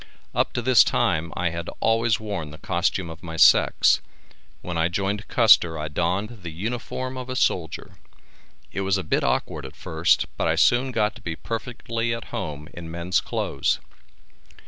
Up to this time I had always worn the costume of my sex. When I joined Custer I donned the uniform of a soldier. It was a bit awkward at first but I soon got to be perfectly at home in men's clothes.